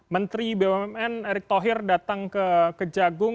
menteri bumn erick thohir datang ke kejagung